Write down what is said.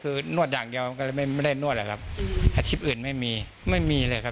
คือนวดอย่างเดียวก็เลยไม่ไม่ได้นวดแหละครับอาชีพอื่นไม่มีไม่มีเลยครับ